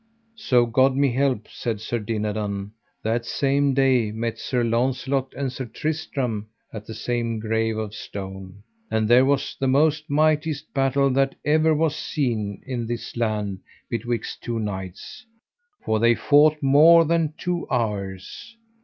So God me help, said Sir Dinadan, that same day met Sir Launcelot and Sir Tristram at the same grave of stone. And there was the most mightiest battle that ever was seen in this land betwixt two knights, for they fought more than two hours.